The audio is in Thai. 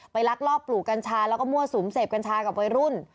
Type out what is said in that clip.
ลักลอบปลูกกัญชาแล้วก็มั่วสุมเสพกัญชากับวัยรุ่น